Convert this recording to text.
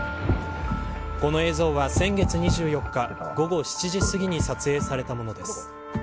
この映像は先月２４日午後７時すぎに撮影されたものです。